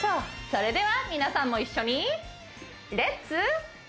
それでは皆さんも一緒にレッツ！